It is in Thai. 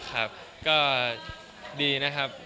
ครับก็ดีนะครับ